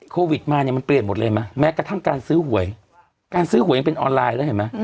โควิดมาเนี่ยมันเปลี่ยนหมดเลยไหมแม้กระทั่งการซื้อหวยการซื้อหวยยังเป็นออนไลน์แล้วเห็นไหม